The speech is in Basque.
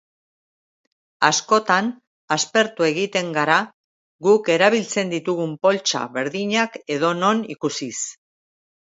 Askotan aspertu egiten gara guk erabiltzen ditugun poltsa berdinak edonon ikusiz.